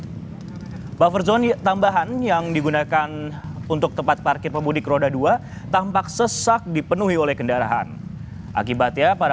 pemudik masih terpantau tertahan cukup lama dan belum bisa untuk melanjutkan perjalanan karena sesaknya antrean kendaraan